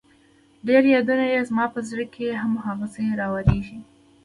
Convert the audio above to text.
ډېر يادونه يې زما په زړه هم هغسې راوريږي